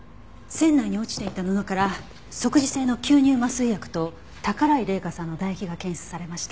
船内に落ちていた布から即時性の吸入麻酔薬と宝居麗華さんの唾液が検出されました。